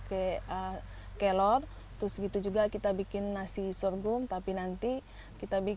sekarang ini kita ngaduk ya bu